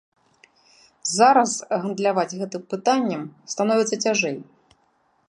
Зараз гандляваць гэтым пытаннем становіцца цяжэй.